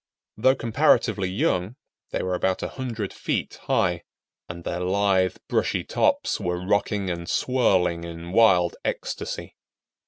Though comparatively young, they were about 100 feet high, and their lithe, brushy tops were rocking and swirling in wild ecstasy.